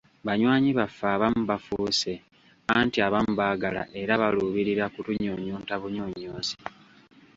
Banywanyi baffe abamu bafuuse anti abamu baagala era baluubirira kutunyunyunta bunyunyusi.